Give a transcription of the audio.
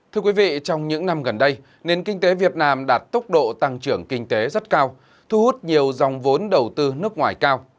thưa quý vị trong những năm gần đây nền kinh tế việt nam đạt tốc độ tăng trưởng kinh tế rất cao thu hút nhiều dòng vốn đầu tư nước ngoài cao